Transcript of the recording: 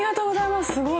すごい。